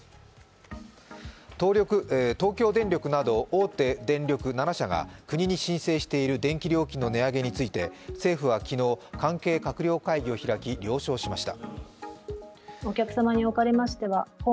東京電力など大手電力７社が国に申請している電気料金の値上げについて、政府は昨日、関係閣僚会議を開き了承しました。